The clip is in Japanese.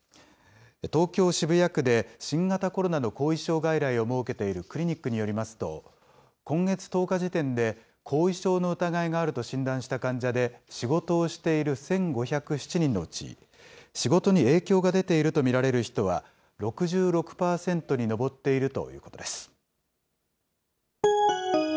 東京・渋谷区で新型コロナの後遺症外来を設けているクリニックによりますと、今月１０日時点で後遺症の疑いがあると診断した患者で仕事をしている１５０７人のうち、仕事に影響が出ていると見られる人は６６％に上っているということです。